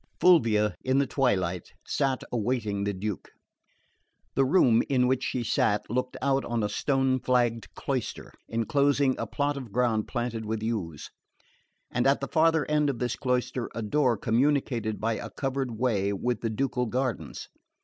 6. Fulvia, in the twilight, sat awaiting the Duke. The room in which she sat looked out on a stone flagged cloister enclosing a plot of ground planted with yews; and at the farther end of this cloister a door communicated by a covered way with the ducal gardens.